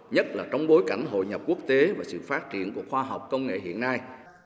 nhất là trong bối cảnh hội nhập quốc tế và sự phát triển của khoa học công nghệ hiện nay